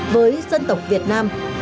với dân tộc việt nam